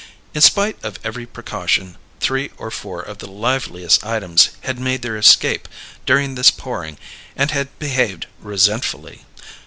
In spite of every precaution three or four of the liveliest items had made their escape, during this pouring, and had behaved resentfully.